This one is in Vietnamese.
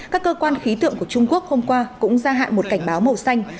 các cơ quan khí tượng của trung quốc hôm qua cũng gia hạn một cảnh báo màu xanh